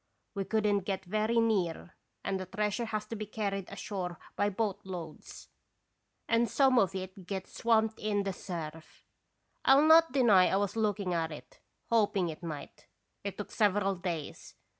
We could n't get very near, and the treasure has to be carried ashore by boat loads, and some of it gets swamped in 21 (Srcuiotis Visitation. 183 the surf. I'll not deny 1 was looking at it, hoping it might. It took several days.